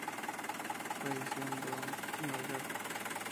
Falleció en el Bronx, Nueva York.